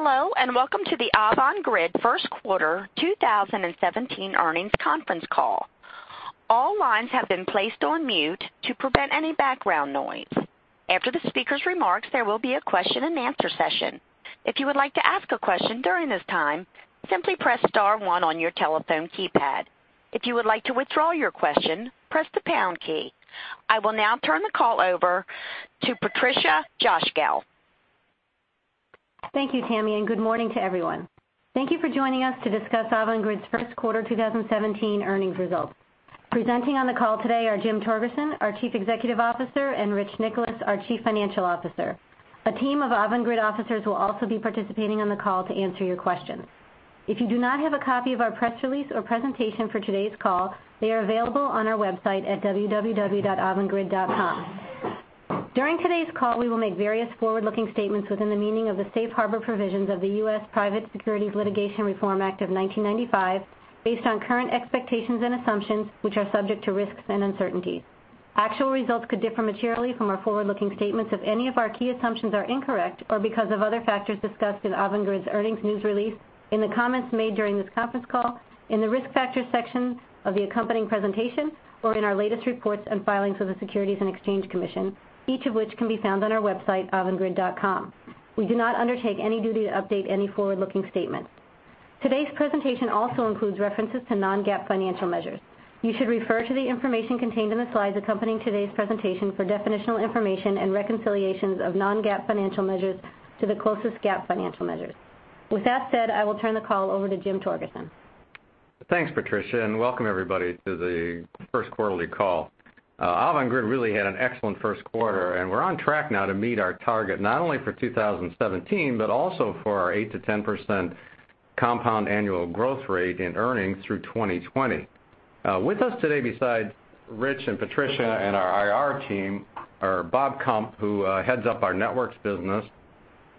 Hello, welcome to the Avangrid first quarter 2017 earnings conference call. All lines have been placed on mute to prevent any background noise. After the speaker's remarks, there will be a question and answer session. If you would like to ask a question during this time, simply press star one on your telephone keypad. If you would like to withdraw your question, press the pound key. I will now turn the call over to Patricia Cosgel. Thank you, Tammy. Good morning to everyone. Thank you for joining us to discuss Avangrid's first quarter 2017 earnings results. Presenting on the call today are Jim Torgerson, our Chief Executive Officer, and Rich Nicholas, our Chief Financial Officer. A team of Avangrid officers will also be participating on the call to answer your questions. If you do not have a copy of our press release or presentation for today's call, they are available on our website at www.avangrid.com. During today's call, we will make various forward-looking statements within the meaning of the Safe Harbor provisions of the U.S. Private Securities Litigation Reform Act of 1995, based on current expectations and assumptions, which are subject to risks and uncertainties. Actual results could differ materially from our forward-looking statements if any of our key assumptions are incorrect or because of other factors discussed in Avangrid's earnings news release, in the comments made during this conference call, in the Risk Factors section of the accompanying presentation, or in our latest reports and filings with the Securities and Exchange Commission, each of which can be found on our website, avangrid.com. We do not undertake any duty to update any forward-looking statement. Today's presentation also includes references to non-GAAP financial measures. You should refer to the information contained in the slides accompanying today's presentation for definitional information and reconciliations of non-GAAP financial measures to the closest GAAP financial measures. With that said, I will turn the call over to Jim Torgerson. Thanks, Patricia. Welcome everybody to the first quarterly call. Avangrid really had an excellent first quarter, and we're on track now to meet our target, not only for 2017, but also for our 8%-10% compound annual growth rate in earnings through 2020. With us today beside Rich and Patricia and our IR team are Bob Kump, who heads up our networks business,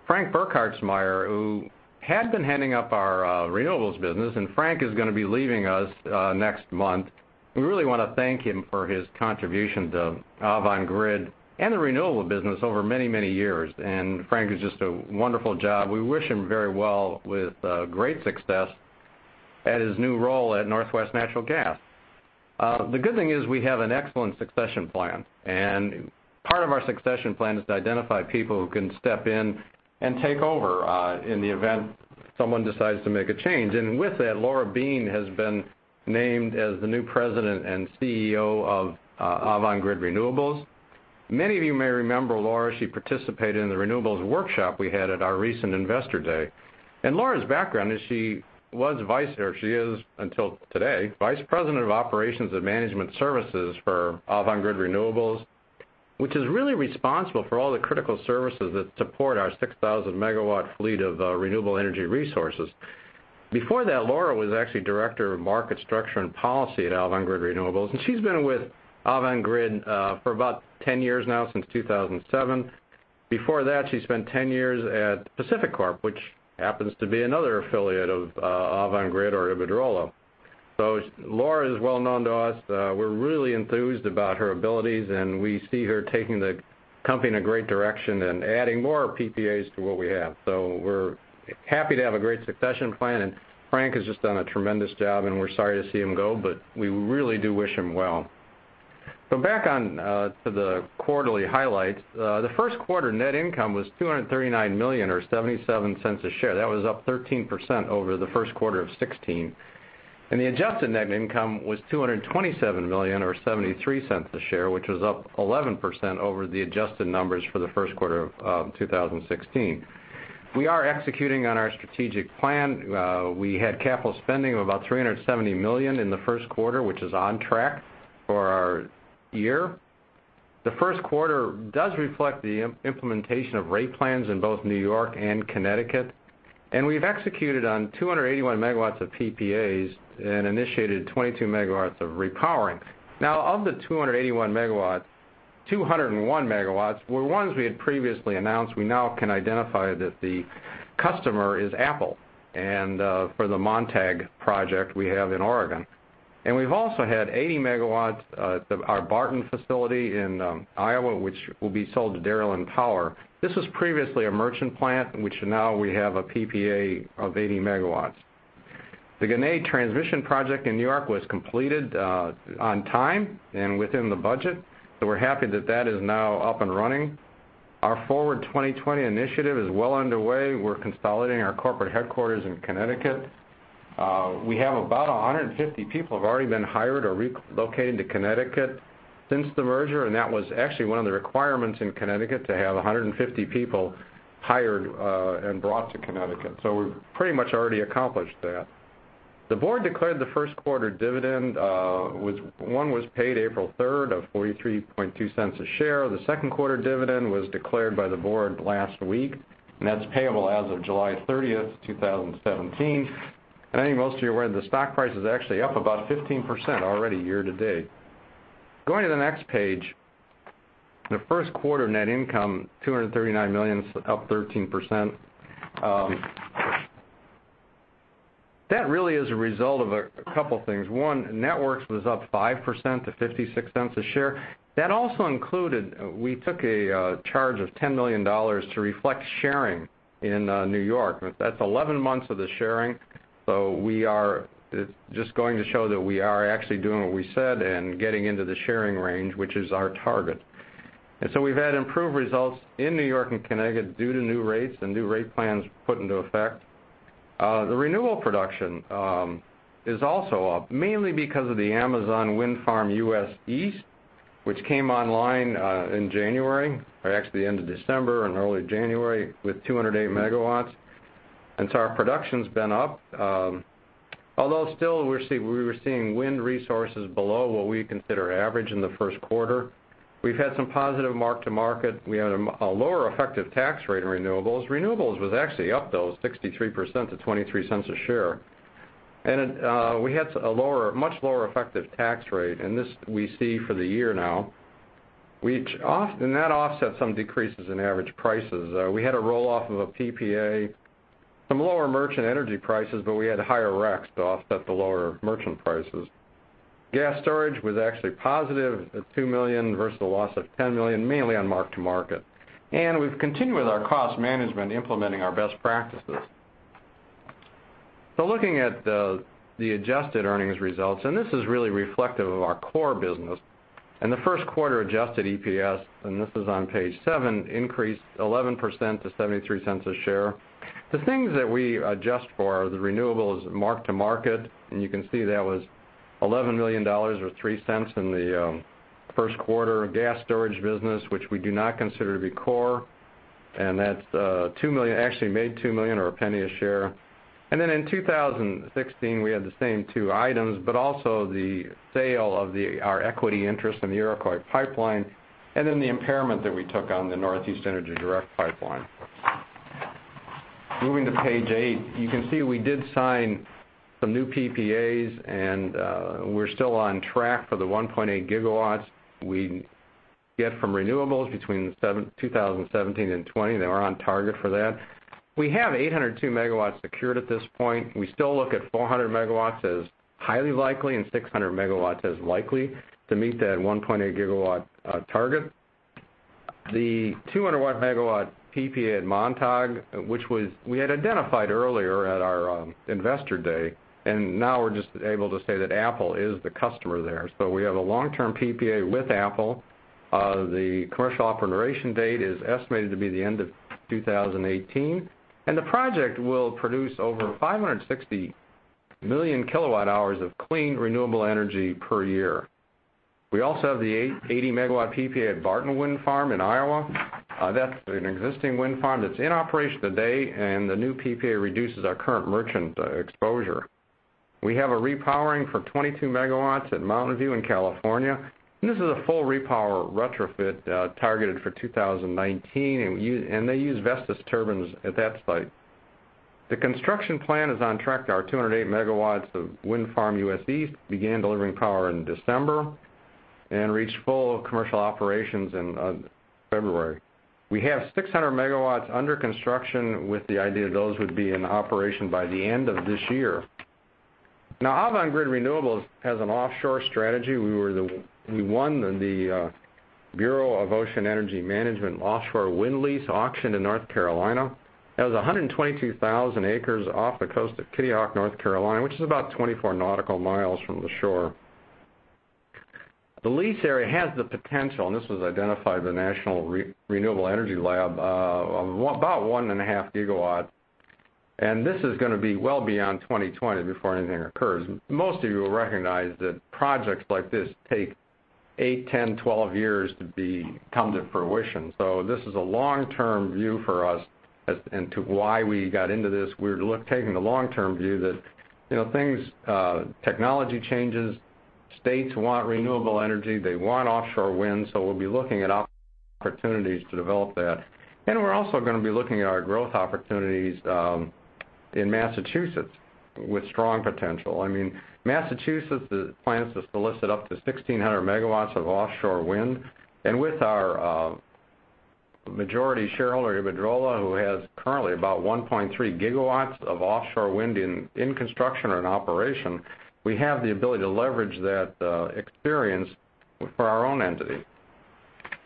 Frank Burkhartsmeyer, who had been heading up our renewables business, Frank is going to be leaving us next month. We really want to thank him for his contributions to Avangrid and the renewable business over many, many years. Frank has just a wonderful job. We wish him very well with great success at his new role at Northwest Natural Gas. The good thing is we have an excellent succession plan. Part of our succession plan is to identify people who can step in and take over in the event someone decides to make a change. With that, Laura Beane has been named as the new President and CEO of Avangrid Renewables. Many of you may remember Laura. She participated in the renewables workshop we had at our recent Investor Day. Laura's background is she was vice, or she is until today, Vice President of Operations and Management Services for Avangrid Renewables, which is really responsible for all the critical services that support our 6,000-megawatt fleet of renewable energy resources. Before that, Laura was actually Director of Market Structure and Policy at Avangrid Renewables, and she's been with Avangrid for about 10 years now, since 2007. Before that, she spent 10 years at PacifiCorp, which happens to be another affiliate of Avangrid or Iberdrola. Laura is well-known to us. We're really enthused about her abilities, and we see her taking the company in a great direction and adding more PPAs to what we have. We're happy to have a great succession plan, and Frank has just done a tremendous job, and we're sorry to see him go, but we really do wish him well. Back on to the quarterly highlights. The first quarter net income was $239 million or $0.77 a share. That was up 13% over the first quarter of 2016. The adjusted net income was $227 million or $0.73 a share, which was up 11% over the adjusted numbers for the first quarter of 2016. We are executing on our strategic plan. We had capital spending of about $370 million in the first quarter, which is on track for our year. The first quarter does reflect the implementation of rate plans in both N.Y. and Connecticut. We've executed on 281 megawatts of PPAs and initiated 22 megawatts of repowering. Of the 281 megawatts, 201 megawatts were ones we had previously announced. We now can identify that the customer is Apple, and for the Montague project we have in Oregon. We've also had 80 megawatts at our Barton facility in Iowa, which will be sold to Dairyland Power. This was previously a merchant plant, which now we have a PPA of 80 megawatts. The Genesee transmission project in N.Y. was completed on time and within the budget. We're happy that that is now up and running. Our Forward 2020 initiative is well underway. We're consolidating our corporate headquarters in Connecticut. We have about 150 people have already been hired or relocated to Connecticut since the merger. That was actually one of the requirements in Connecticut to have 150 people hired and brought to Connecticut. We've pretty much already accomplished that. The board declared the first-quarter dividend, one was paid April 3rd of $0.432 a share. The second-quarter dividend was declared by the board last week, and that's payable as of July 30th, 2017. I think most of you are aware the stock price is actually up about 15% already year-to-date. Going to the next page, the first quarter net income, $239 million, up 13%. That really is a result of a couple things. One, networks was up 5% to $0.56 a share. That also included, we took a charge of $10 million to reflect sharing in New York. That's 11 months of the sharing, so it's just going to show that we are actually doing what we said and getting into the sharing range, which is our target. We've had improved results in New York and Connecticut due to new rates and new rate plans put into effect. The renewal production is also up, mainly because of the Amazon Wind Farm US East, which came online in January, or actually the end of December and early January, with 208 megawatts. Our production's been up, although still, we were seeing wind resources below what we consider average in the first quarter. We've had some positive mark-to-market. We had a lower effective tax rate in renewables. Renewables was actually up, though, 63% to $0.23 a share. We had a much lower effective tax rate, and this we see for the year now. That offset some decreases in average prices. We had a roll-off of a PPA, some lower merchant energy prices, but we had higher RECs to offset the lower merchant prices. Gas storage was actually positive at $2 million versus a loss of $10 million, mainly on mark-to-market. We've continued with our cost management, implementing our best practices. Looking at the adjusted earnings results, and this is really reflective of our core business. The first quarter adjusted EPS, and this is on page seven, increased 11% to $0.73 a share. The things that we adjust for are the renewables mark-to-market, and you can see that was $11 million, or $0.03, in the first quarter. Gas storage business, which we do not consider to be core, that actually made $2 million or $0.01 a share. In 2016, we had the same two items, but also the sale of our equity interest in the Iroquois pipeline, and then the impairment that we took on the Northeast Energy Direct pipeline. Moving to page eight, you can see we did sign some new PPAs, and we're still on track for the 1.8 gigawatts we get from renewables between 2017 and 2020. They were on target for that. We have 802 megawatts secured at this point. We still look at 400 megawatts as highly likely and 600 megawatts as likely to meet that 1.8 gigawatt target. The 200-megawatt PPA at Montague, which we had identified earlier at our investor day, and now we're just able to say that Apple is the customer there. We have a long-term PPA with Apple. The commercial operation date is estimated to be the end of 2018, and the project will produce over 560 million kilowatt hours of clean, renewable energy per year. We also have the 80-megawatt PPA at Barton Wind Farm in Iowa. That's an existing wind farm that's in operation today, and the new PPA reduces our current merchant exposure. We have a repowering for 22 megawatts at Mountain View in California. This is a full repower retrofit targeted for 2019, and they use Vestas turbines at that site. The construction plan is on track. Our 208 megawatts of Wind Farm US East began delivering power in December and reached full commercial operations in February. We have 600 megawatts under construction with the idea those would be in operation by the end of this year. Avangrid Renewables has an offshore strategy. We won the Bureau of Ocean Energy Management offshore wind lease auction in North Carolina. That was 122,000 acres off the coast of Kitty Hawk, North Carolina, which is about 24 nautical miles from the shore. The lease area has the potential, and this was identified by the National Renewable Energy Lab, of about 1.5 gigawatts, and this is going to be well beyond 2020 before anything occurs. Most of you will recognize that projects like this take eight, 10, 12 years to come to fruition. This is a long-term view for us as to why we got into this. We're taking the long-term view that technology changes, states want renewable energy, they want offshore wind, we'll be looking at opportunities to develop that. We're also going to be looking at our growth opportunities in Massachusetts with strong potential. Massachusetts plans to solicit up to 1,600 megawatts of offshore wind. With our majority shareholder, Iberdrola, who has currently about 1.3 gigawatts of offshore wind in construction or in operation, we have the ability to leverage that experience for our own entity.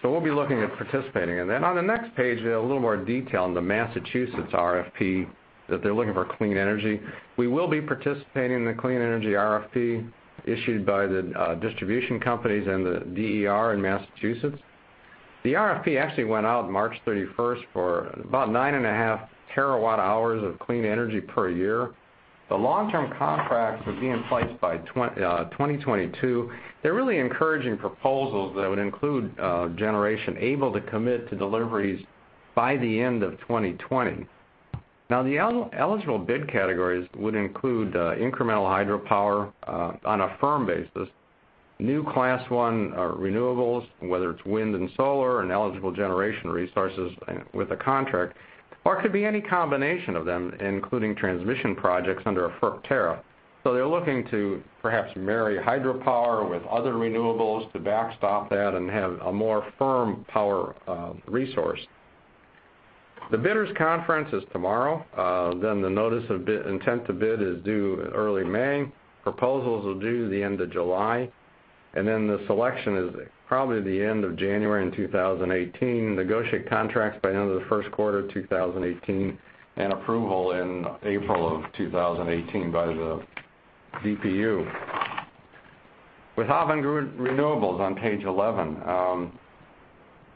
We'll be looking at participating in that. On the next page, a little more detail on the Massachusetts RFP, that they're looking for clean energy. We will be participating in the clean energy RFP issued by the distribution companies and the DOER in Massachusetts. The RFP actually went out March 31st for about 9.5 terawatt hours of clean energy per year. The long-term contracts would be in place by 2022. They're really encouraging proposals that would include generation able to commit to deliveries by the end of 2020. The eligible bid categories would include incremental hydropower on a firm basis, new class 1 renewables, whether it's wind and solar and eligible generation resources with a contract, or it could be any combination of them, including transmission projects under a FERC tariff. They're looking to perhaps marry hydropower with other renewables to backstop that and have a more firm power resource. The bidders conference is tomorrow, the notice of intent to bid is due early May. Proposals are due the end of July, the selection is probably the end of January in 2018. Negotiate contracts by end of the first quarter 2018, approval in April of 2018 by the DPU. With Avangrid Renewables on page 11,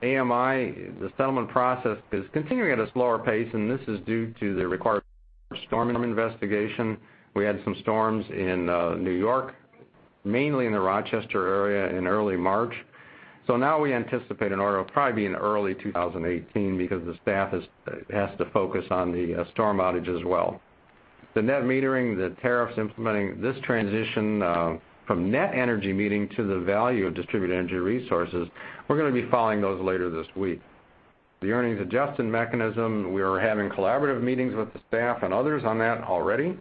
AMI, the settlement process is continuing at a slower pace, this is due to the required storm investigation. We had some storms in New York, mainly in the Rochester area in early March. Now we anticipate an order will probably be in early 2018 because the staff has to focus on the storm outage as well. The net metering, the tariffs implementing this transition from net energy metering to the value of distributed energy resources, we're going to be filing those later this week. The earnings adjustment mechanism, we are having collaborative meetings with the staff and others on that already.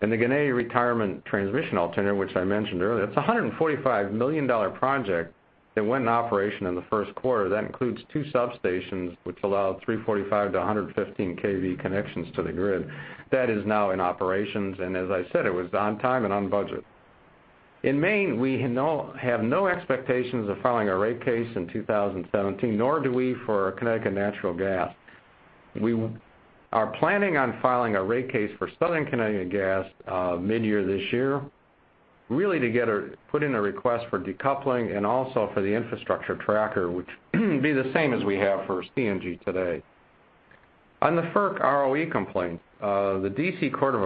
The Ginna Retirement Transmission Alternative, which I mentioned earlier, it's a $145 million project that went in operation in the first quarter. That includes two substations, which allowed 345 to 115 kV connections to the grid. That is now in operations, as I said, it was on time and on budget. In Maine, we have no expectations of filing a rate case in 2017, nor do we for Connecticut Natural Gas. We are planning on filing a rate case for Southern Connecticut Gas mid-year this year, really to put in a request for decoupling and also for the infrastructure tracker, which would be the same as we have for CNG today. On the FERC ROE complaint, the D.C. Court of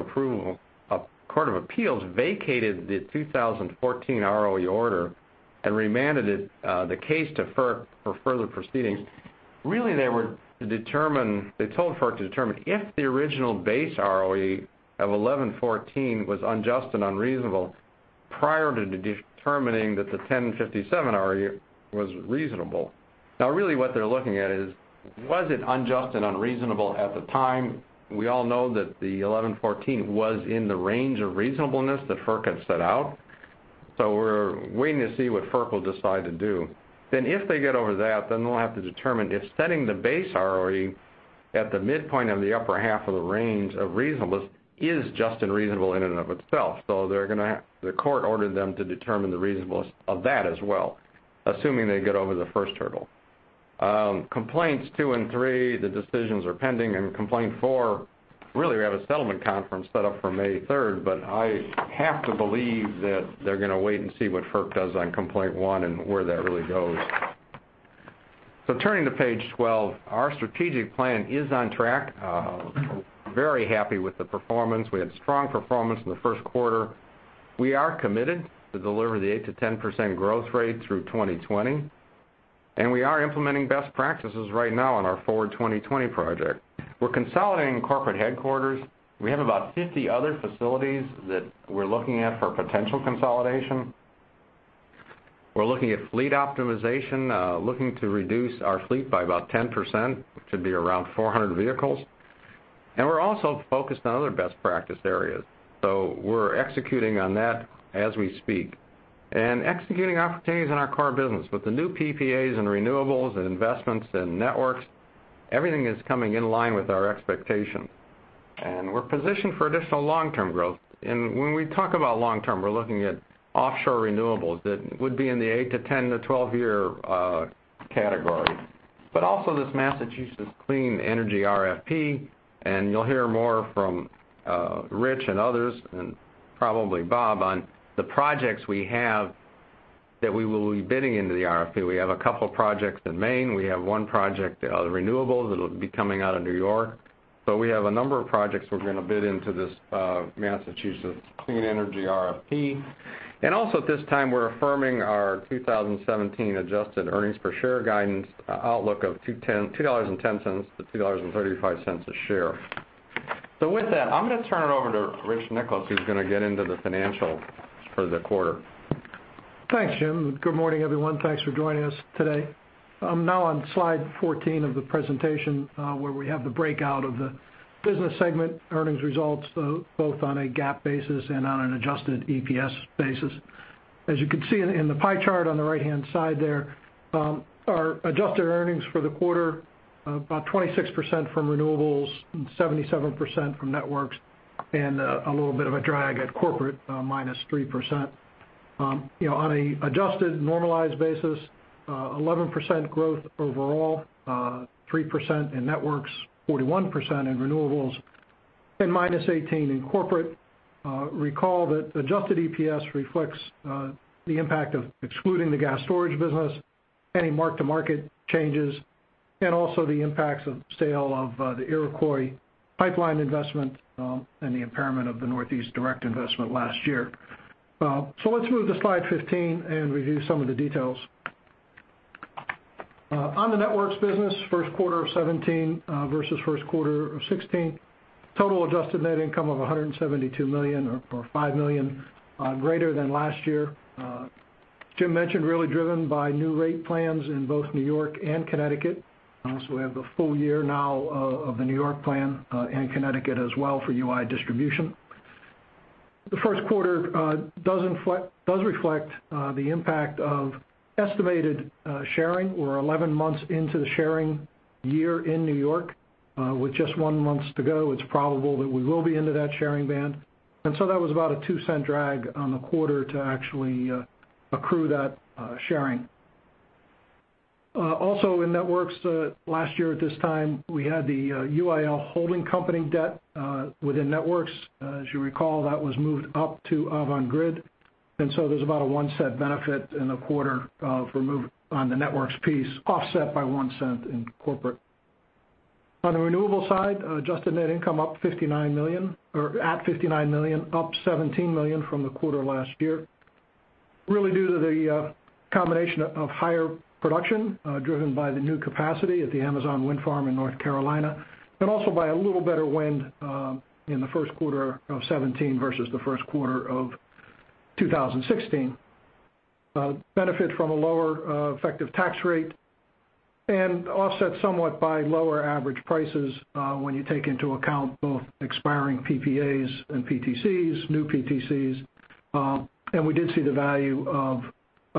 Appeals vacated the 2014 ROE order and remanded the case to FERC for further proceedings. Really, they told FERC to determine if the original base ROE of 1114 was unjust and unreasonable prior to determining that the 1057 ROE was reasonable. Now, really what they're looking at is, was it unjust and unreasonable at the time? We all know that the 1114 was in the range of reasonableness that FERC had set out. We're waiting to see what FERC will decide to do. If they get over that, then we'll have to determine if setting the base ROE at the midpoint of the upper half of the range of reasonableness is just and reasonable in and of itself. The court ordered them to determine the reasonableness of that as well, assuming they get over the first hurdle. Complaints two and three, the decisions are pending. Complaint four, really, we have a settlement conference set up for May 3rd. I have to believe that they're going to wait and see what FERC does on complaint one and where that really goes. Turning to page 12, our strategic plan is on track. Very happy with the performance. We had strong performance in the first quarter. We are committed to deliver the 8%-10% growth rate through 2020. We are implementing best practices right now on our Forward 2020 project. We're consolidating corporate headquarters. We have about 50 other facilities that we're looking at for potential consolidation. We're looking at fleet optimization, looking to reduce our fleet by about 10%, which would be around 400 vehicles. We're also focused on other best practice areas. We're executing on that as we speak. Executing opportunities in our core business with the new PPAs and renewables and investments in networks, everything is coming in line with our expectations. We're positioned for additional long-term growth. When we talk about long-term, we're looking at offshore renewables. That would be in the 8 to 10-12-year category. Also this Massachusetts Clean Energy RFP, and you'll hear more from Rich and others, and probably Bob, on the projects we have that we will be bidding into the RFP. We have a couple projects in Maine. We have one project, renewables, that'll be coming out of New York. We have a number of projects we're going to bid into this Massachusetts Clean Energy RFP. Also at this time, we're affirming our 2017 adjusted earnings per share guidance outlook of $2.10-$2.35 a share. With that, I'm going to turn it over to Rich Nicholas, who's going to get into the financials for the quarter. Thanks, Jim. Good morning, everyone. Thanks for joining us today. I'm now on slide 14 of the presentation, where we have the breakout of the business segment earnings results, both on a GAAP basis and on an adjusted EPS basis. As you can see in the pie chart on the right-hand side there, our adjusted earnings for the quarter, about 26% from renewables and 77% from networks, and a little bit of a drag at corporate, -3%. On an adjusted normalized basis, 11% growth overall, 3% in networks, 41% in renewables, and -18% in corporate. Recall that adjusted EPS reflects the impact of excluding the gas storage business, any mark-to-market changes, and also the impacts of the sale of the Iroquois pipeline investment and the impairment of the Northeast Direct investment last year. Let's move to slide 15 and review some of the details. On the networks business, first quarter of 2017 versus first quarter of 2016, total adjusted net income of $172 million or $5 million greater than last year. Jim mentioned, really driven by new rate plans in both New York and Connecticut. We have the full year now of the New York plan, and Connecticut as well for UI Distribution. The first quarter does reflect the impact of estimated sharing. We're 11 months into the sharing year in New York. With just one month to go, it's probable that we will be into that sharing band. That was about a $0.02 drag on the quarter to actually accrue that sharing. Also in networks, last year at this time, we had the UIL Holdings company debt within networks. As you recall, that was moved up to Avangrid, and there's about a $0.01 benefit in the quarter of remove on the networks piece, offset by $0.01 in corporate. On the renewable side, adjusted net income up $59 million, or at $59 million, up $17 million from the quarter last year, really due to the combination of higher production driven by the new capacity at the Amazon Wind Farm in North Carolina, but also by a little better wind in the first quarter of 2017 versus the first quarter of 2016. Benefit from a lower effective tax rate and offset somewhat by lower average prices when you take into account both expiring PPAs and PTCs, new PTCs, and we did see the value of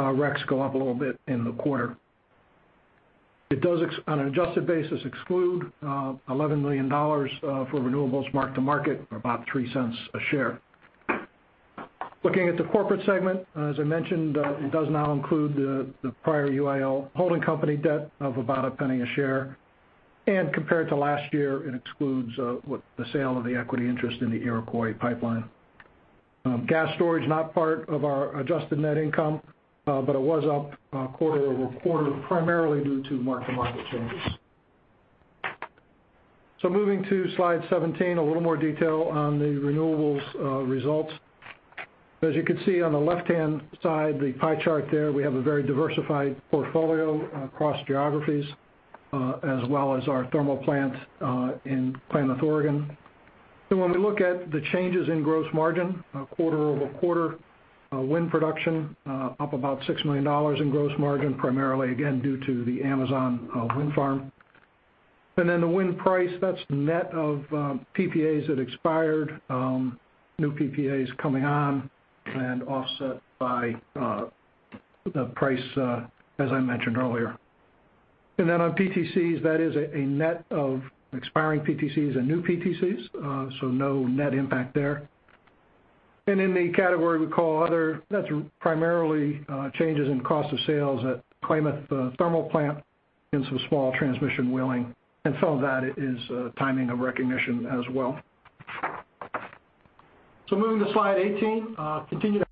RECs go up a little bit in the quarter. It does, on an adjusted basis, exclude $11 million for renewables mark-to-market, or about $0.03 a share. Looking at the corporate segment, as I mentioned, it does now include the prior UIL Holdings company debt of about a $0.01 a share. Compared to last year, it excludes the sale of the equity interest in the Iroquois pipeline. Gas storage, not part of our adjusted net income, but it was up quarter-over-quarter, primarily due to mark-to-market changes. Moving to slide 17, a little more detail on the renewables results. As you can see on the left-hand side, the pie chart there, we have a very diversified portfolio across geographies, as well as our thermal plant in Klamath, Oregon. When we look at the changes in gross margin quarter-over-quarter, wind production up about $6 million in gross margin, primarily, again, due to the Amazon Wind Farm. Then the wind price, that is net of PPAs that expired, new PPAs coming on, and offset by the price as I mentioned earlier. Then on PTCs, that is a net of expiring PTCs and new PTCs, so no net impact there. In the category we call other, that is primarily changes in cost of sales at Klamath Thermal Plant and some small transmission wheeling. Some of that is timing of recognition as well. Moving to slide 18. Continue to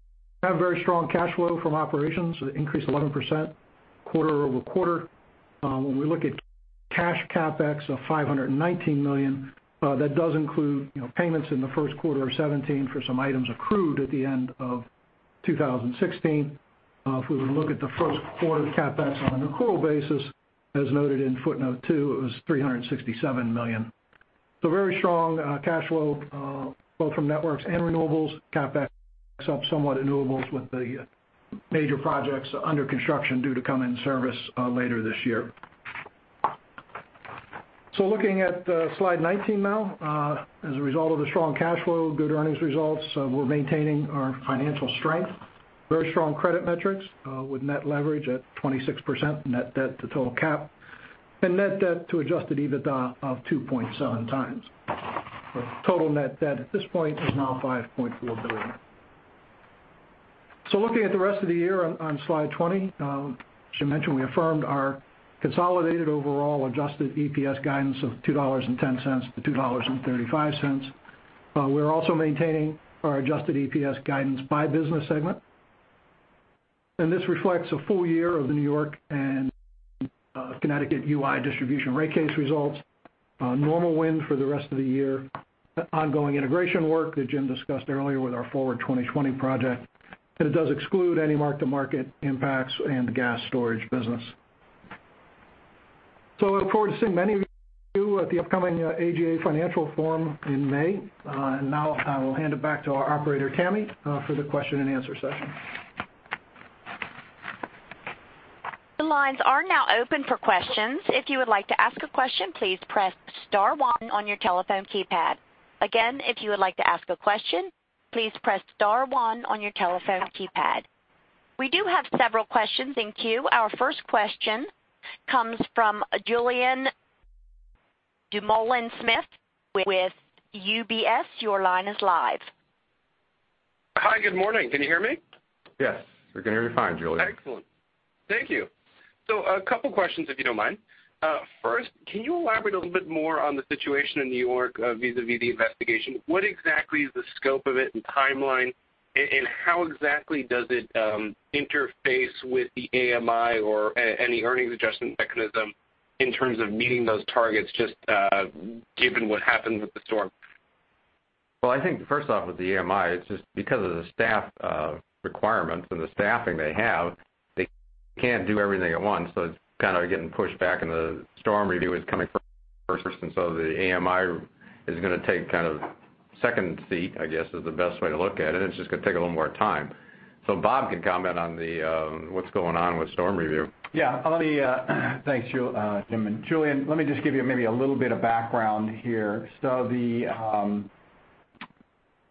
have very strong cash flow from operations, increased 11% quarter-over-quarter. When we look at cash CapEx of $519 million, that does include payments in the first quarter of 2017 for some items accrued at the end of 2016. If we were to look at the first quarter CapEx on an accrual basis, as noted in footnote two, it was $367 million. Very strong cash flow both from networks and renewables. CapEx up somewhat in renewables with the major projects under construction due to come in service later this year. Looking at slide 19 now. As a result of the strong cash flow, good earnings results, we are maintaining our financial strength. Very strong credit metrics with net leverage at 26%, net debt to total Cap, and net debt to adjusted EBITDA of 2.7 times. Total net debt at this point is now $5.4 billion. Looking at the rest of the year on slide 20. As Jim mentioned, we affirmed our consolidated overall adjusted EPS guidance of $2.10-$2.35. We are also maintaining our adjusted EPS guidance by business segment. This reflects a full year of the New York and Connecticut UI distribution rate case results, normal wind for the rest of the year, ongoing integration work that Jim discussed earlier with our Forward 2020 project, and it does exclude any mark-to-market impacts and the gas storage business. I look forward to seeing many of you at the upcoming AGA Financial Forum in May. Now I will hand it back to our operator, Tammy, for the question and answer session. The lines are now open for questions. If you would like to ask a question, please press *1 on your telephone keypad. Again, if you would like to ask a question, please press *1 on your telephone keypad. We do have several questions in queue. Our first question comes from Julien Dumoulin-Smith with UBS. Your line is live. Hi. Good morning. Can you hear me? Yes. We can hear you fine, Julien. Excellent. Thank you. A couple questions, if you don't mind. First, can you elaborate a little bit more on the situation in New York vis-a-vis the investigation? What exactly is the scope of it and timeline, and how exactly does it interface with the AMI or any earnings adjustment mechanism in terms of meeting those targets, just given what happened with the storm? Well, I think first off with the AMI, it's just because of the staff requirements and the staffing they have, they can't do everything at once. It's kind of getting pushed back, and the storm review is coming first. The AMI is going to take kind of second seat, I guess, is the best way to look at it. It's just going to take a little more time. Bob can comment on what's going on with storm review. Yeah. Thanks, Jim. Julien, let me just give you maybe a little bit of background here. The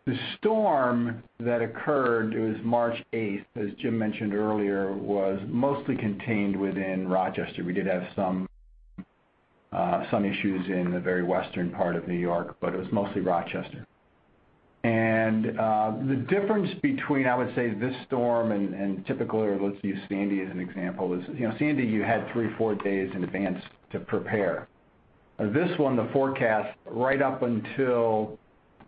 The storm that occurred, it was March 8th, as Jim mentioned earlier, was mostly contained within Rochester. We did have some issues in the very western part of New York, but it was mostly Rochester. The difference between, I would say, this storm and typically, or let's use Hurricane Sandy as an example, is Hurricane Sandy, you had three, four days in advance to prepare. This one, the forecast right up until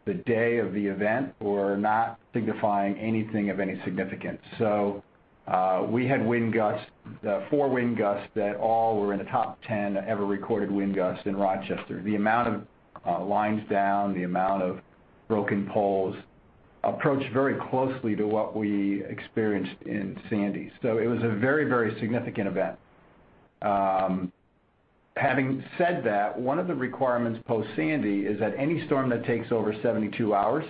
the day of the event were not signifying anything of any significance. We had four wind gusts that all were in the top 10 ever recorded wind gusts in Rochester. The amount of lines down, the amount of broken poles approached very closely to what we experienced in Hurricane Sandy. It was a very significant event. Having said that, one of the requirements post-Hurricane Sandy is that any storm that takes over 72 hours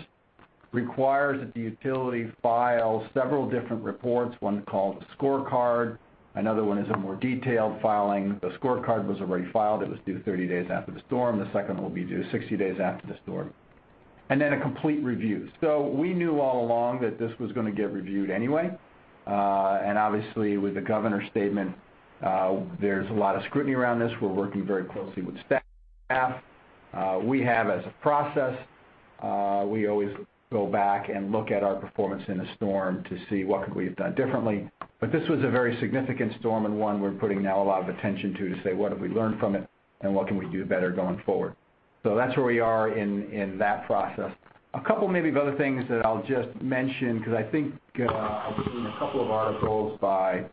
requires that the utility file several different reports, one called a scorecard. Another one is a more detailed filing. The scorecard was already filed. It was due 30 days after the storm. The second will be due 60 days after the storm. Then a complete review. We knew all along that this was going to get reviewed anyway. Obviously with the governor's statement, there's a lot of scrutiny around this. We're working very closely with staff. We have as a process, we always go back and look at our performance in a storm to see what could we have done differently. This was a very significant storm and one we're putting now a lot of attention to say, what have we learned from it and what can we do better going forward? That's where we are in that process. A couple maybe of other things that I'll just mention, because I think I've seen a couple of articles by,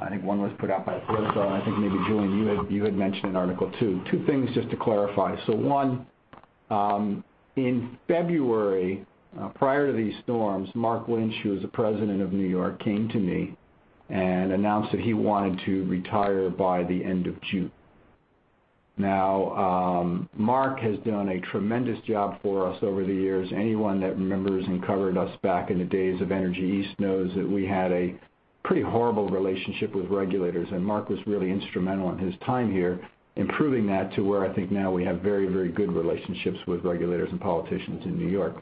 I think one was put out by Thraso, and I think maybe Julien, you had mentioned an article, too. Two things just to clarify. One, in February, prior to these storms, Mark Lynch, who was the president of New York, came to me and announced that he wanted to retire by the end of June. Now, Mark has done a tremendous job for us over the years. Anyone that remembers and covered us back in the days of Energy East knows that we had a pretty horrible relationship with regulators. Mark was really instrumental in his time here, improving that to where I think now we have very good relationships with regulators and politicians in New York.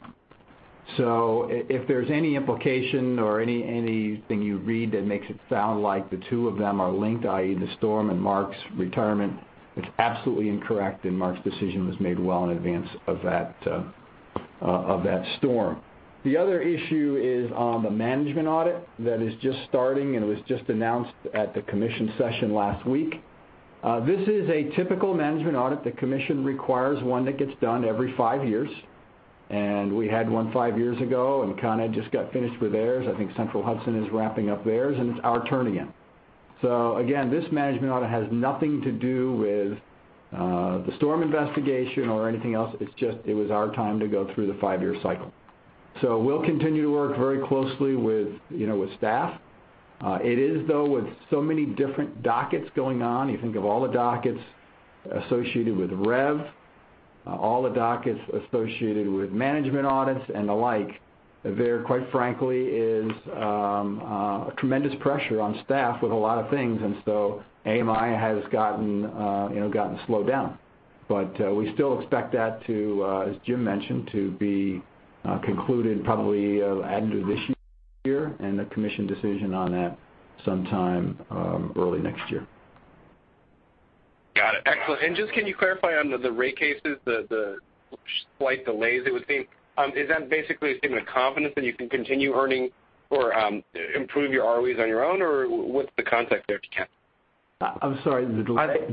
If there's any implication or anything you read that makes it sound like the two of them are linked, i.e. the storm and Mark's retirement, it's absolutely incorrect. Mark's decision was made well in advance of that storm. The other issue is on the management audit that is just starting. It was just announced at the commission session last week. This is a typical management audit. The commission requires one that gets done every five years. We had one five years ago. Con Ed just got finished with theirs. I think Central Hudson is wrapping up theirs. It's our turn again. Again, this management audit has nothing to do with the storm investigation or anything else. It's just it was our time to go through the five-year cycle. We'll continue to work very closely with staff. It is, though, with so many different dockets going on, you think of all the dockets associated with REV, all the dockets associated with management audits and the like, there, quite frankly, is a tremendous pressure on staff with a lot of things. AMI has gotten slowed down. We still expect that to, as Jim mentioned, to be concluded probably end of this year. The commission decision on that sometime early next year. Got it. Excellent. Just can you clarify on the rate cases, the slight delays it would seem? Is that basically a statement of confidence that you can continue earning or improve your ROEs on your own, or what's the context there, if you can? I'm sorry, the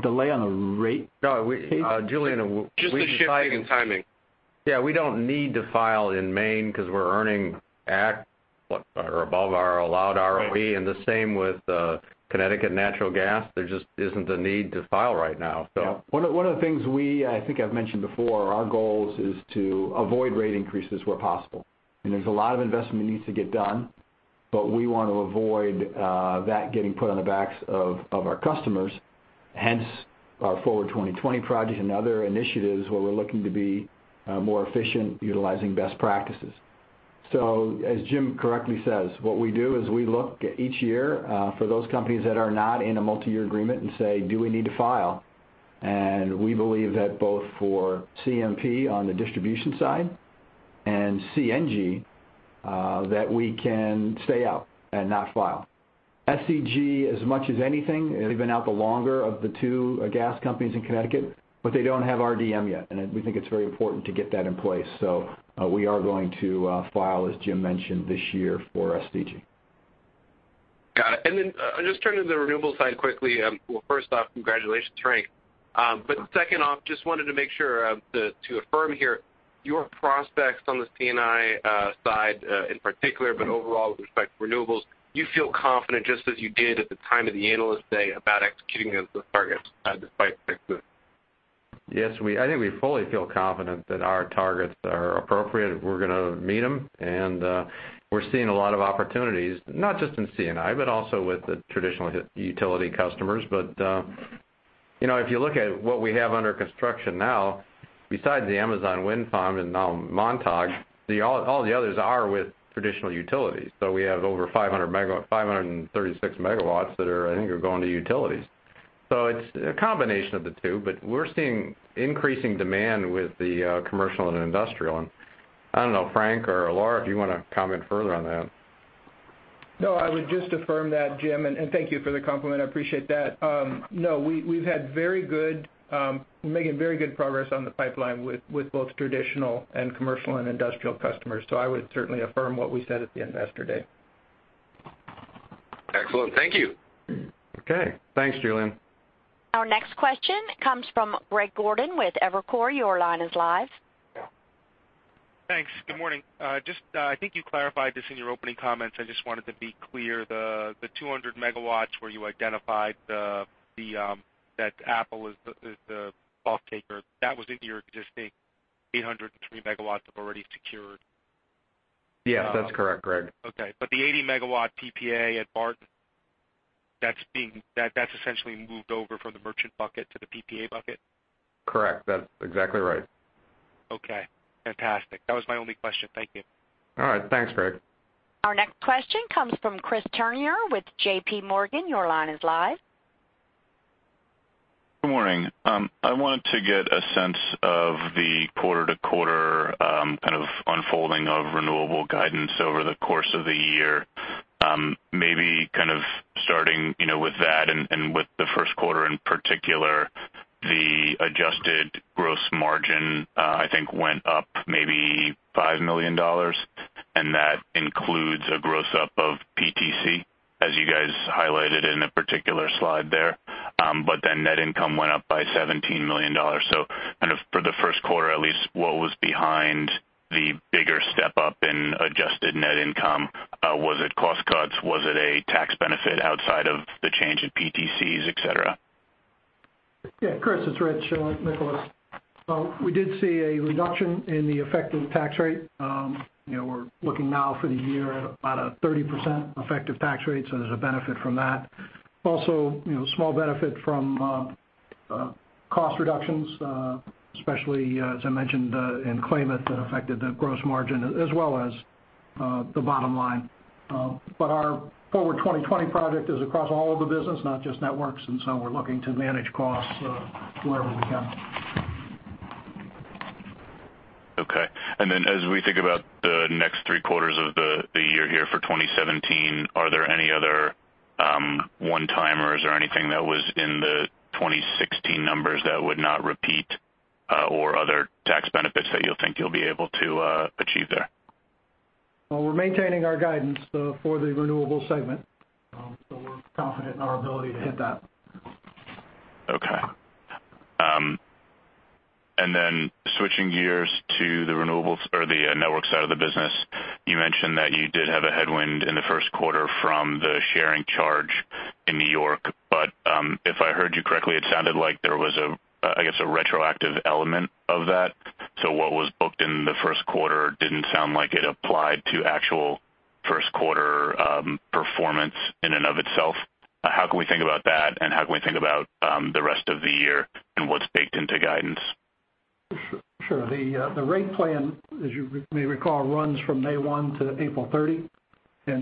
delay on a rate case? No, Julien. Just the shifting and timing. We don't need to file in Maine because we're earning at or above our allowed ROE, and the same with Connecticut Natural Gas. There just isn't a need to file right now, so. One of the things I think I've mentioned before, our goal is to avoid rate increases where possible. There's a lot of investment that needs to get done, but we want to avoid that getting put on the backs of our customers, hence our Forward 2020 project and other initiatives where we're looking to be more efficient utilizing best practices. As Jim correctly says, what we do is we look at each year for those companies that are not in a multi-year agreement and say, "Do we need to file?" We believe that both for CMP on the distribution side and CNG, that we can stay out and not file. SCG, as much as anything, they've been out the longer of the two gas companies in Connecticut, but they don't have RDM yet, and we think it's very important to get that in place. We are going to file, as Jim mentioned, this year for SCG. Got it. Then just turning to the renewable side quickly. First off, congratulations, Frank. Second off, just wanted to make sure to affirm here your prospects on the C&I side in particular, but overall with respect to renewables, you feel confident just as you did at the time of the Analyst Day about executing those targets despite COVID? I think we fully feel confident that our targets are appropriate. We're going to meet them, we're seeing a lot of opportunities, not just in C&I, but also with the traditional utility customers. If you look at what we have under construction now, besides the Amazon Wind Farm in Montague, all the others are with traditional utilities. We have over 536 megawatts that I think are going to utilities. It's a combination of the two, but we're seeing increasing demand with the commercial and industrial. I don't know, Frank or Laura, if you want to comment further on that? I would just affirm that, Jim, thank you for the compliment. I appreciate that. We're making very good progress on the pipeline with both traditional and commercial and industrial customers. I would certainly affirm what we said at the investor day. Excellent. Thank you. Okay. Thanks, Julien. Our next question comes from Greg Gordon with Evercore. Your line is live. Thanks. Good morning. I think you clarified this in your opening comments. I just wanted to be clear. The 200 megawatts where you identified that Apple is the off-taker, that was in your existing 803 megawatts of already secured- Yes, that's correct, Greg. Okay. The 80-megawatt PPA at Barton, that's essentially moved over from the merchant bucket to the PPA bucket? Correct. That's exactly right. Okay. Fantastic. That was my only question. Thank you. All right. Thanks, Greg. Our next question comes from Chris Turnure with JPMorgan. Your line is live. Good morning. I wanted to get a sense of the quarter-to-quarter kind of unfolding of renewable guidance over the course of the year. With the first quarter, in particular, the adjusted gross margin, I think, went up maybe $5 million, and that includes a gross-up of PTC, as you guys highlighted in a particular slide there. Net income went up by $17 million. For the first quarter at least, what was behind the bigger step-up in adjusted net income? Was it cost cuts? Was it a tax benefit outside of the change in PTCs, et cetera? Chris, it's Rich Nicholas. We did see a reduction in the effective tax rate. We're looking now for the year at about a 30% effective tax rate, there's a benefit from that. Also, small benefit from cost reductions, especially, as I mentioned, in that affected the gross margin as well as the bottom line. Our Forward 2020 project is across all of the business, not just networks, we're looking to manage costs wherever we can. Okay. Then as we think about the next three quarters of the year here for 2017, are there any other one-timers or anything that was in the 2016 numbers that would not repeat, or other tax benefits that you think you'll be able to achieve there? Well, we're maintaining our guidance for the renewable segment. We're confident in our ability to hit that. Okay. Then switching gears to the networks side of the business, you mentioned that you did have a headwind in the first quarter from the sharing charge in New York. If I heard you correctly, it sounded like there was, I guess, a retroactive element of that. What was booked in the first quarter didn't sound like it applied to actual first quarter performance in and of itself. How can we think about that, and how can we think about the rest of the year and what's baked into guidance? Sure. The rate plan, as you may recall, runs from May 1 to April 30,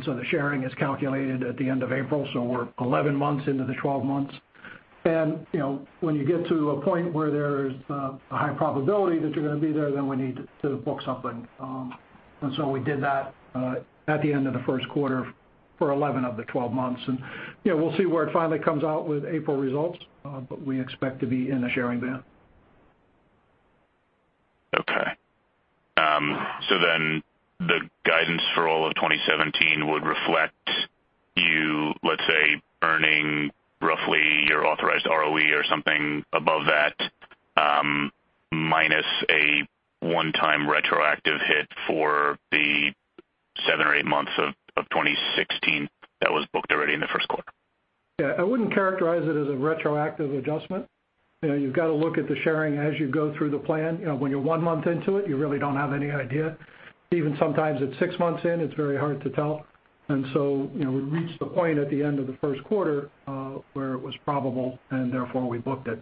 so the sharing is calculated at the end of April, so we're 11 months into the 12 months. When you get to a point where there's a high probability that you're going to be there, then we need to book something. So we did that at the end of the first quarter for 11 of the 12 months. We'll see where it finally comes out with April results, but we expect to be in the sharing band. Okay. The guidance for all of 2017 would reflect you, let's say, earning roughly your authorized ROE or something above that, minus a one-time retroactive hit for the 7 or 8 months of 2016 that was booked already in the first quarter. Yeah. I wouldn't characterize it as a retroactive adjustment. You've got to look at the sharing as you go through the plan. When you're 1 month into it, you really don't have any idea. Even sometimes at 6 months in, it's very hard to tell. We reached the point at the end of the first quarter where it was probable, and therefore we booked it.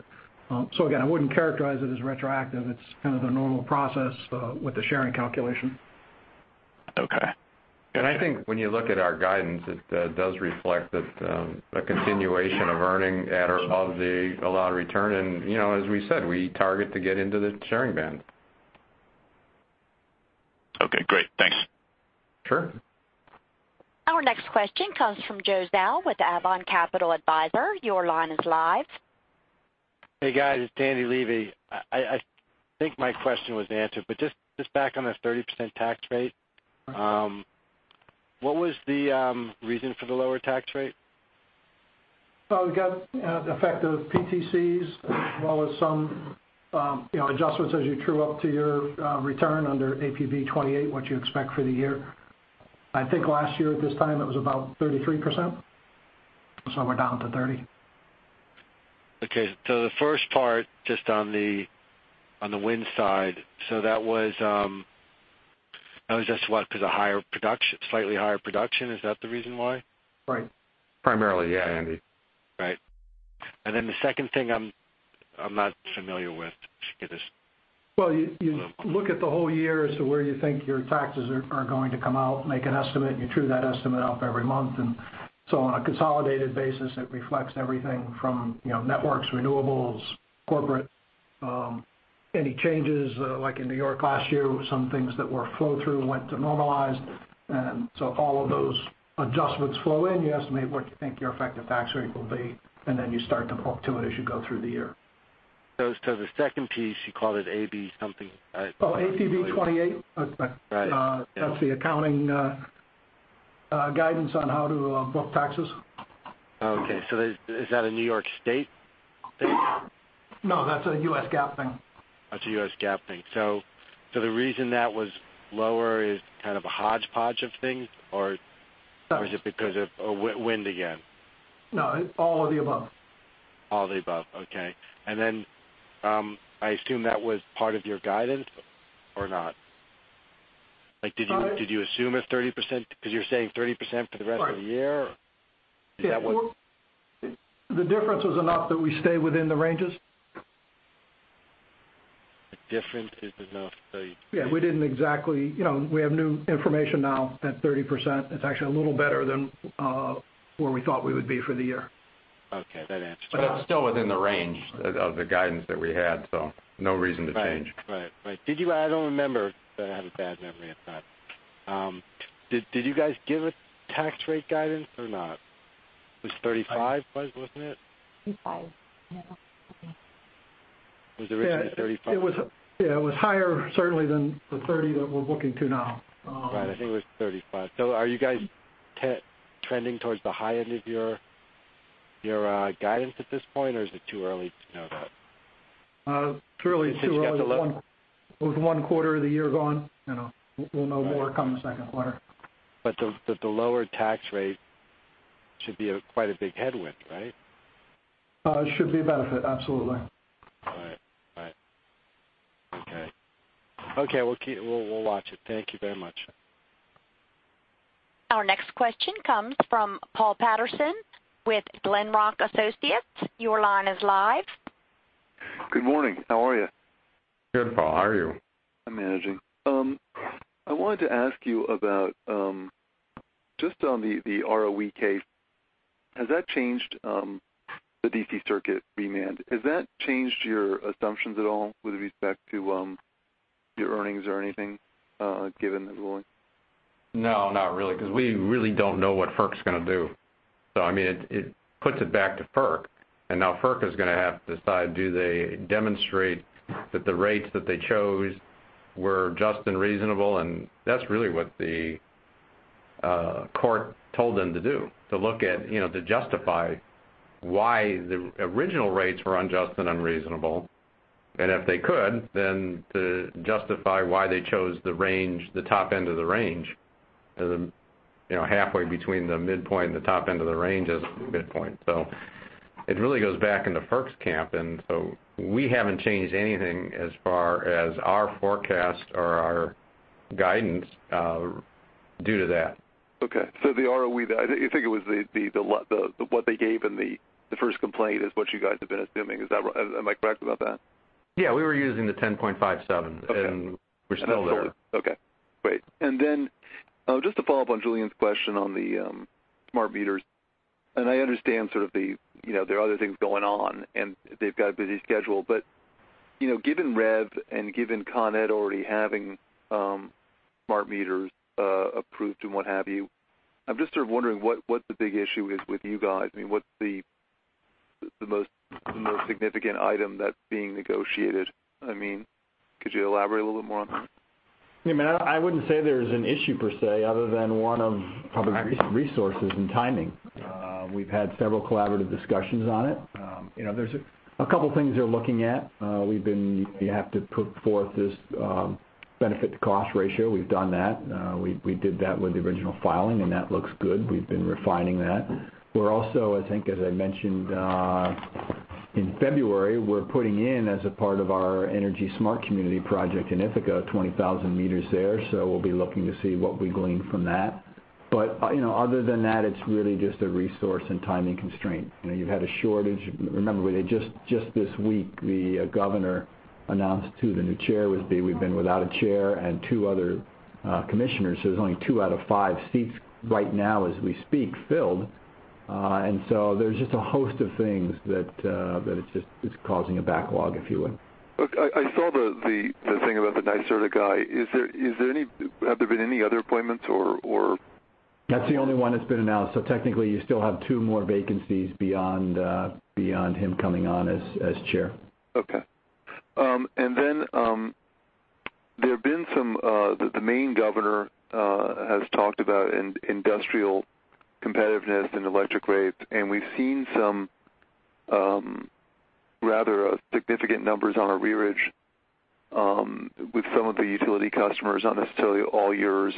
Again, I wouldn't characterize it as retroactive. It's kind of the normal process with the sharing calculation. Okay. I think when you look at our guidance, it does reflect a continuation of earning of the allowed return. As we said, we target to get into the sharing band. Okay, great. Thanks. Sure. Our next question comes from Joe Zale with Avon Capital Advisors. Your line is live. Hey, guys. It's Danny Levy. I think my question was answered, but just back on the 30% tax rate. What was the reason for the lower tax rate? We got effective PTCs as well as some adjustments as you true up to your return under APB 28, what you expect for the year. I think last year at this time, it was about 33%. We're down to 30%. Okay. The first part, just on the wind side, so that was just what? Because of slightly higher production? Is that the reason why? Right. Primarily, yeah, Danny. Right. The second thing I'm not familiar with. Well, you look at the whole year as to where you think your taxes are going to come out, make an estimate, and you true that estimate up every month. On a consolidated basis, it reflects everything from networks, renewables, corporate, any changes like in New York last year, some things that were flow-through went to normalized. All of those adjustments flow in. You estimate what you think your effective tax rate will be, and then you start to book to it as you go through the year. The second piece, you called it AB something. Oh, APB 28? That's right. Right. Yeah. That's the accounting guidance on how to book taxes. Okay. Is that a New York State thing? No, that's a U.S. GAAP thing. That's a U.S. GAAP thing. The reason that was lower is kind of a hodgepodge of things? No. Is it because of wind again? No, all of the above. All of the above. Okay. I assume that was part of your guidance or not? Did you assume it's 30% because you're saying 30% for the rest of the year? Is that what? The difference was enough that we stay within the ranges. The difference is enough. Yeah, we didn't exactly. We have new information now at 30%. It's actually a little better than where we thought we would be for the year. Okay. That answers it. It's still within the range of the guidance that we had, so no reason to change. Right. I don't remember, but I have a bad memory of that. Did you guys give a tax rate guidance or not? It was 35, wasn't it? 35. Yeah. Was the original 35? Yeah, it was higher certainly than the 30 that we're looking to now. Right. I think it was 35. Are you guys trending towards the high end of your guidance at this point, or is it too early to know that? It's early. It's too early. With one quarter of the year gone, we'll know more come the second quarter. The lower tax rate should be quite a big headwind, right? It should be a benefit, absolutely. Right. Okay. We'll watch it. Thank you very much. Our next question comes from Paul Patterson with Glenrock Associates. Your line is live. Good morning. How are you? Good, Paul. How are you? I'm managing. I wanted to ask you about just on the ROE case, has that changed the D.C. Circuit remand? Has that changed your assumptions at all with respect to your earnings or anything, given the ruling? No, not really, because we really don't know what FERC's going to do. I mean, it puts it back to FERC. Now FERC is going to have to decide, do they demonstrate that the rates that they chose were just and reasonable? That's really what the court told them to do, to look at, to justify why the original rates were unjust and unreasonable. If they could, then to justify why they chose the top end of the range. Halfway between the midpoint and the top end of the range is the midpoint. It really goes back into FERC's camp, we haven't changed anything as far as our forecast or our guidance due to that. Okay. The ROE, I think it was what they gave in the first complaint is what you guys have been assuming. Am I correct about that? Yeah. We were using the 10.57, and we're still there. Okay, great. Then just to follow up on Julien's question on the smart meters, and I understand sort of there are other things going on, and they've got a busy schedule, but given REV and given Con Ed already having smart meters approved and what have you, I'm just sort of wondering what the big issue is with you guys. I mean, what's the most significant item that's being negotiated? I mean, could you elaborate a little bit more on that? Yeah, man, I wouldn't say there's an issue, per se, other than one of probably resources and timing. We've had several collaborative discussions on it. There's a couple things they're looking at. You have to put forth this benefit-to-cost ratio. We've done that. We did that with the original filing, and that looks good. We've been refining that. We're also, I think, as I mentioned, in February, we're putting in as a part of our Energy Smart Community Project in Ithaca, 20,000 meters there. We'll be looking to see what we glean from that. Other than that, it's really just a resource and timing constraint. You've had a shortage. Remember, just this week, the governor announced, too, the new chair would be. We've been without a chair and two other commissioners. There's only two out of five seats right now as we speak filled. There's just a host of things that it's just causing a backlog, if you would. Look, I saw the thing about the NYSERDA guy. Have there been any other appointments or? That's the only one that's been announced. Technically, you still have two more vacancies beyond him coming on as chair. Okay. There have been some, the Maine governor has talked about industrial competitiveness and electric rates, and we've seen some rather significant numbers on our rearage with some of the utility customers, not necessarily all yours,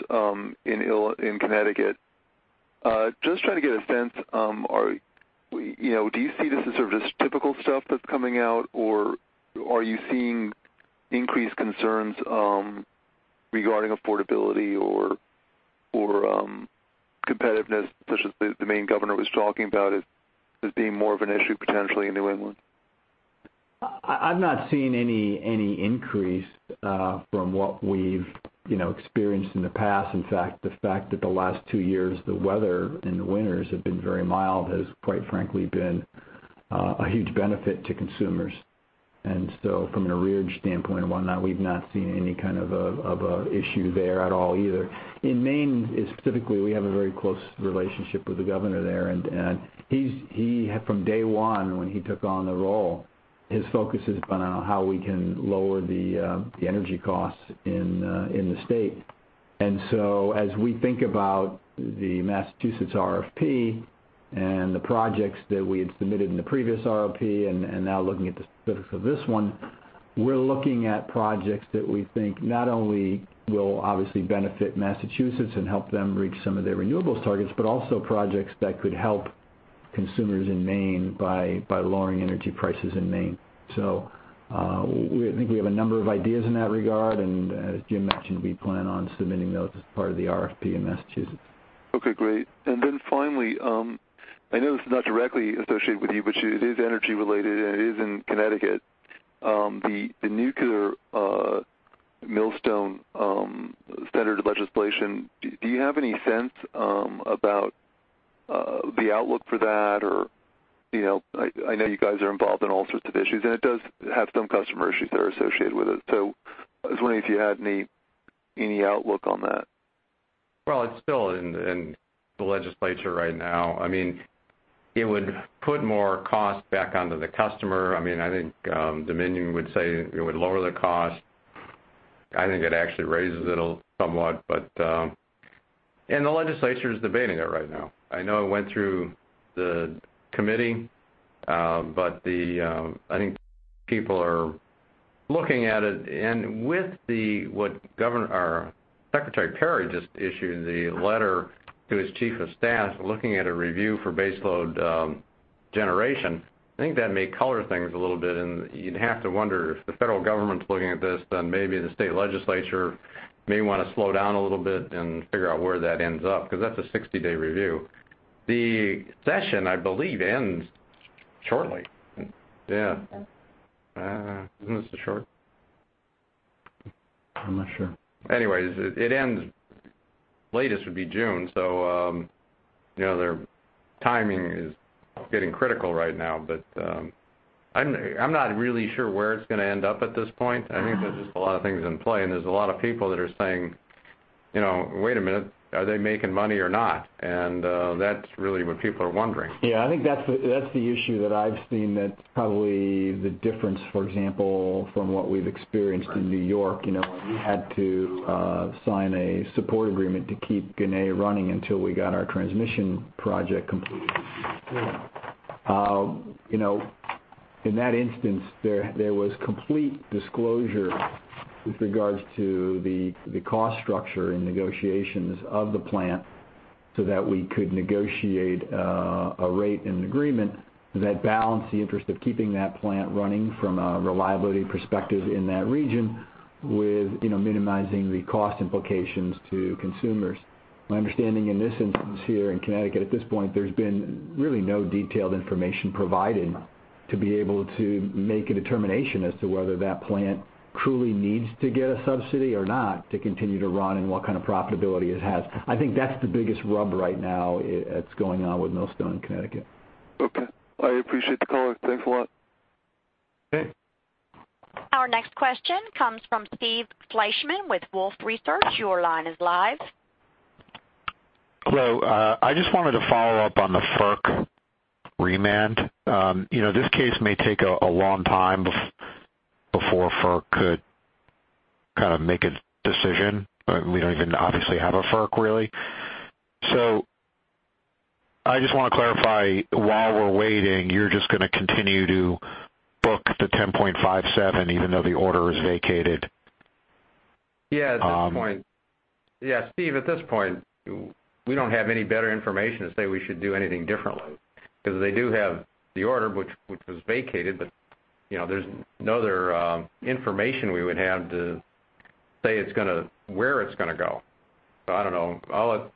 in Connecticut. Just trying to get a sense, do you see this as sort of just typical stuff that's coming out, or are you seeing increased concerns regarding affordability or competitiveness, such as the Maine governor was talking about, as being more of an issue potentially in New England? I've not seen any increase from what we've experienced in the past. In fact, the fact that the last two years, the weather and the winters have been very mild has, quite frankly, been a huge benefit to consumers. From an average standpoint and whatnot, we've not seen any kind of an issue there at all either. In Maine, specifically, we have a very close relationship with the governor there, from day one when he took on the role, his focus has been on how we can lower the energy costs in the state. As we think about the Massachusetts RFP and the projects that we had submitted in the previous RFP, now looking at the specifics of this one, we're looking at projects that we think not only will obviously benefit Massachusetts and help them reach some of their renewables targets, but also projects that could help consumers in Maine by lowering energy prices in Maine. I think we have a number of ideas in that regard, and as Jim mentioned, we plan on submitting those as part of the RFP in Massachusetts. Okay, great. Finally, I know this is not directly associated with you, but it is energy-related, and it is in Connecticut. The nuclear Millstone standard legislation, do you have any sense about the outlook for that? I know you guys are involved in all sorts of issues, and it does have some customer issues that are associated with it. I was wondering if you had any outlook on that. Well, it's still in the legislature right now. It would put more cost back onto the customer. I think Dominion would say it would lower the cost. I think it actually raises it somewhat. The legislature is debating it right now. I know it went through the committee, I think people are looking at it. With what Secretary Perry just issued, the letter to his chief of staff, looking at a review for base load generation, I think that may color things a little bit. You'd have to wonder if the federal government's looking at this, then maybe the state legislature may want to slow down a little bit and figure out where that ends up, because that's a 60-day review. The session, I believe, ends shortly. Yeah. Isn't this the short? I'm not sure. It ends, latest would be June. Their timing is getting critical right now. I'm not really sure where it's going to end up at this point. I think there's just a lot of things in play, and there's a lot of people that are saying, "Wait a minute, are they making money or not?" That's really what people are wondering. I think that's the issue that I've seen that's probably the difference, for example, from what we've experienced in New York. We had to sign a support agreement to keep Ginna running until we got our transmission project completed. In that instance, there was complete disclosure with regards to the cost structure and negotiations of the plant so that we could negotiate a rate and agreement that balanced the interest of keeping that plant running from a reliability perspective in that region with minimizing the cost implications to consumers. My understanding in this instance here in Connecticut, at this point, there's been really no detailed information provided to be able to make a determination as to whether that plant truly needs to get a subsidy or not to continue to run and what kind of profitability it has. I think that's the biggest rub right now that's going on with Millstone in Connecticut. Okay. I appreciate the call. Thanks a lot. Okay. Our next question comes from Steve Fleishman with Wolfe Research. Your line is live. Hello. I just wanted to follow up on the FERC remand. This case may take a long time before FERC could make a decision. We don't even obviously have a FERC, really. I just want to clarify, while we're waiting, you're just going to continue to book the 10.57 even though the order is vacated? Yeah, at this point. Yeah, Steve, at this point, we don't have any better information to say we should do anything differently, they do have the order, which was vacated, there's no other information we would have to say where it's going to go. I don't know.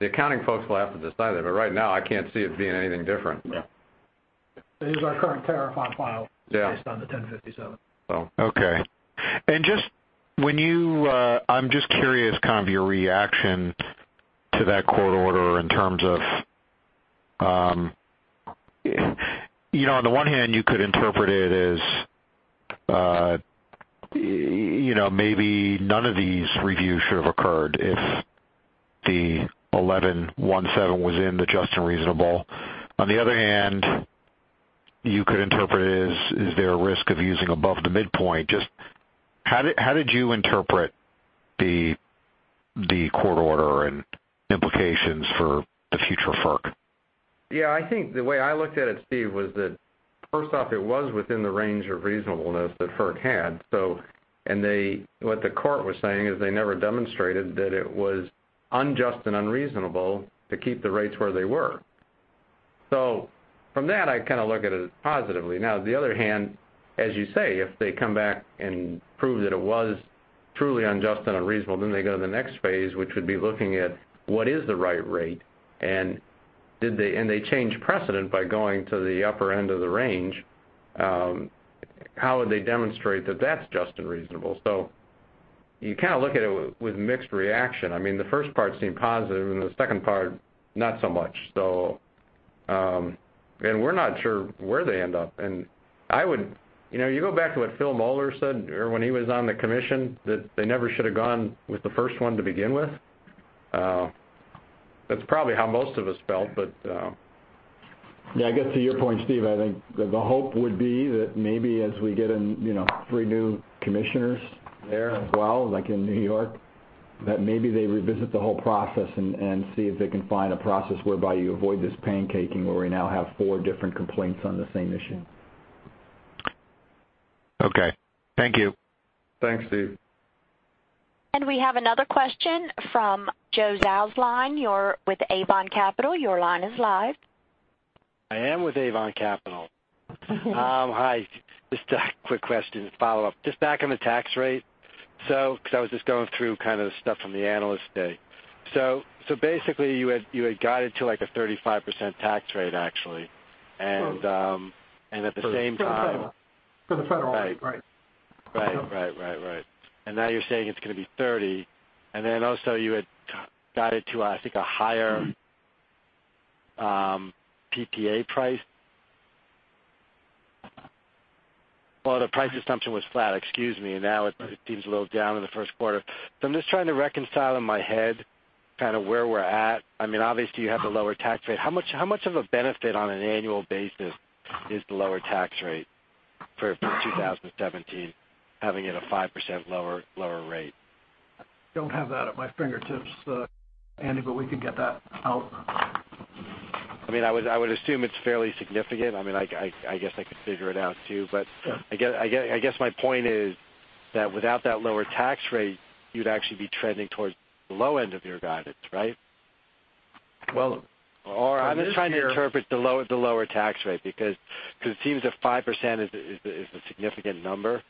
The accounting folks will have to decide that, right now I can't see it being anything different. Yeah. It is our current tariff on file. Yeah based on the 1057. Okay. I'm just curious, your reaction to that court order in terms of, on the one hand, you could interpret it as maybe none of these reviews should have occurred if the 11.17 was in the just and reasonable. On the other hand, you could interpret it as, is there a risk of using above the midpoint? How did you interpret the court order and implications for the future FERC? Yeah, I think the way I looked at it, Steve, was that first off, it was within the range of reasonableness that FERC had. What the court was saying is they never demonstrated that it was unjust and unreasonable to keep the rates where they were. From that, I look at it positively. On the other hand, as you say, if they come back and prove that it was truly unjust and unreasonable, then they go to the next phase, which would be looking at what is the right rate, and they change precedent by going to the upper end of the range. How would they demonstrate that that's just and reasonable? You look at it with mixed reaction. The first part seemed positive, and the second part, not so much. We're not sure where they end up. You go back to what Phil Moeller said when he was on the commission, that they never should have gone with the first one to begin with. That's probably how most of us felt. Yeah, I guess to your point, Steve, I think the hope would be that maybe as we get three new commissioners there as well, like in New York, that maybe they revisit the whole process and see if they can find a process whereby you avoid this pancaking, where we now have four different complaints on the same issue. Okay. Thank you. Thanks, Steve. We have another question from Joe Zausner. You are with Avon Capital. Your line is live. I am with Avon Capital. Hi. Just a quick question to follow up. Just back on the tax rate. Because I was just going through kind of the stuff from the analyst day. Basically, you had guided to a 35% tax rate, actually. For the federal. Right. Now you are saying it is going to be 30%. Also you had guided to, I think, a higher PPA price. Well, the price assumption was flat, excuse me. Now it seems a little down in the first quarter. I am just trying to reconcile in my head where we are at. Obviously, you have the lower tax rate. How much of a benefit on an annual basis is the lower tax rate for 2017, having it a 5% lower rate? I don't have that at my fingertips, Andy, but we can get that out. I would assume it's fairly significant. I guess I could figure it out, too, but I guess my point is that without that lower tax rate, you'd actually be trending towards the low end of your guidance, right? Well, for this year. I'm just trying to interpret the lower tax rate, because it seems that 5% is a significant number.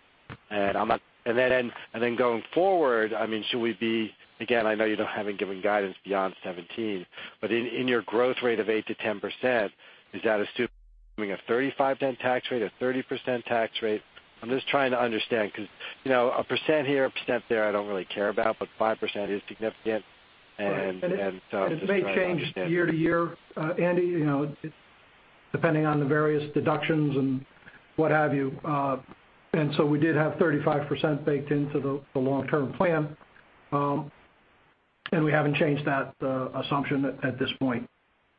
Going forward, should we be, again, I know you haven't given guidance beyond 2017, but in your growth rate of 8%-10%, is that assuming a 35% tax rate, a 30% tax rate? I'm just trying to understand because a % here, a % there, I don't really care about, but 5% is significant. Right. It may change year to year, Andy, depending on the various deductions and what have you. We did have 35% baked into the long-term plan. We haven't changed that assumption at this point.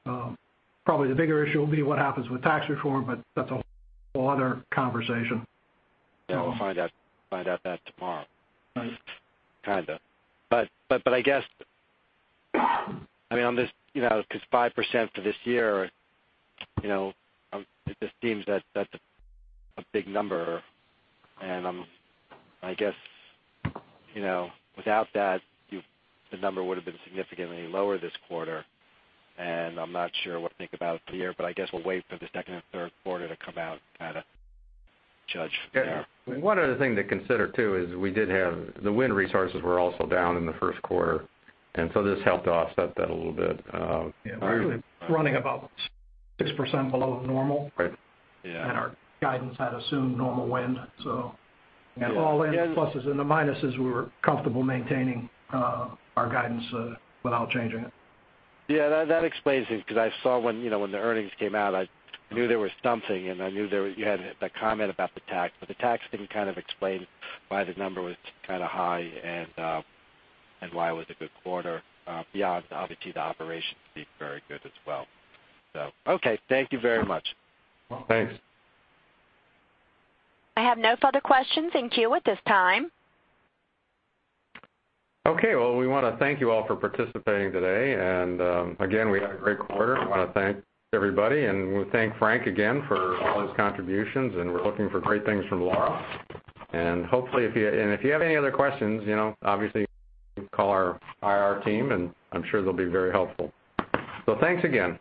Probably the bigger issue will be what happens with tax reform, that's a whole other conversation. Yeah, we'll find out that tomorrow. Right. Kind of. I guess, because 5% for this year, it just seems that's a big number. I guess without that, the number would have been significantly lower this quarter. I'm not sure what to think about for the year. I guess we'll wait for the second and third quarter to come out to kind of judge there. One other thing to consider, too, is the wind resources were also down in the first quarter. This helped to offset that a little bit. Yeah. We were running about 6% below normal. Right. Yeah. Our guidance had assumed normal wind. All in, the pluses and the minuses, we were comfortable maintaining our guidance without changing it. Yeah, that explains it, because I saw when the earnings came out, I knew there was something, and I knew you had the comment about the tax, but the tax didn't kind of explain why the number was kind of high and why it was a good quarter, beyond, obviously, the operations being very good as well. Okay, thank you very much. Thanks. I have no further questions in queue at this time. Okay. Well, we want to thank you all for participating today. Again, we had a great quarter, and we want to thank everybody, and we thank Frank again for all his contributions, and we're looking for great things from Laura. If you have any other questions, obviously call our IR team, and I'm sure they'll be very helpful. Thanks again.